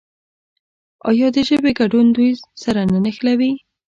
آیا د ژبې ګډون دوی سره نه نښلوي؟